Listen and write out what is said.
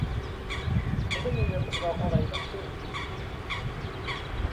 เขาไม่มีเงินสำรองอะไรทั้งสิ้น